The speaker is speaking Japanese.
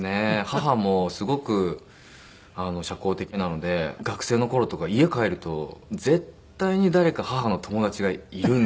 母もすごく社交的なので学生の頃とか家帰ると絶対に誰か母の友達がいるんですよね。